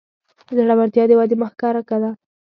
زړورتیا د ودې محرکه ده.